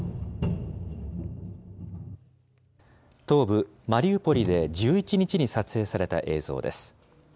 東部マリウポリで１１日に撮影された映像です。